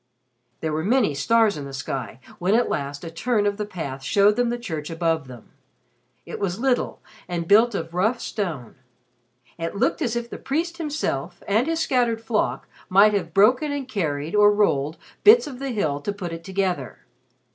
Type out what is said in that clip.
There were many stars in the sky when at last a turn of the path showed them the church above them. It was little and built of rough stone. It looked as if the priest himself and his scattered flock might have broken and carried or rolled bits of the hill to put it together.